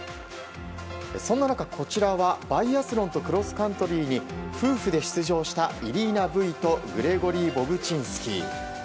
そんな中、こちらはバイアスロンとクロスカントリーに夫婦で出場したイリナ・ブイとグレゴリー・ボブチンスキー。